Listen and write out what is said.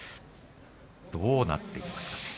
どうなっていきますか？